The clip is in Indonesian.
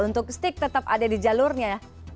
untuk stick tetap ada di jalurnya